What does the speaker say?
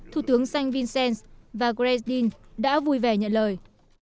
thủ tướng stank vincent và grace dean đã vui vẻ nhận lời